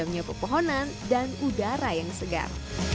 minumnya pepohonan dan udara yang segar